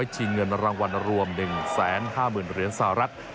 ที่เงินรางวัลรวม๑แสน๕หมื่นเหรียญสหรัฐ